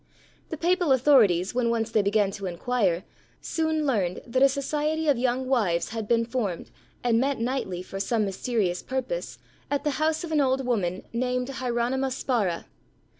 The papal authorities, when once they began to inquire, soon learned that a society of young wives had been formed, and met nightly, for some mysterious purpose, at the house of an old woman named Hieronyma Spara.